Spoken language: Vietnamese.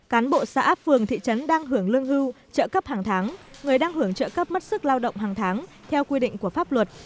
cán bộ xã áp phường thị trấn đang hưởng lương hưu trợ cấp hàng tháng người đang hưởng trợ cấp mất sức lao động hàng tháng theo quy định của pháp luật